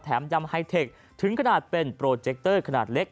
ยำไฮเทคถึงขนาดเป็นโปรเจคเตอร์ขนาดเล็ก